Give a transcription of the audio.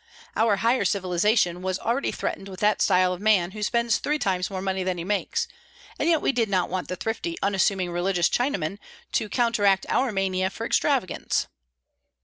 Our higher civilisation was already threatened with that style of man who spends three times more money than he makes, and yet we did not want the thrifty unassuming religious Chinaman to counteract our mania for extravagance.